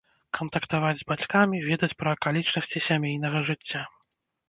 Кантактаваць з бацькамі, ведаць пра акалічнасці сямейнага жыцця.